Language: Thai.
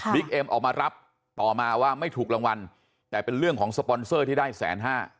เอ็มออกมารับต่อมาว่าไม่ถูกรางวัลแต่เป็นเรื่องของสปอนเซอร์ที่ได้แสนห้า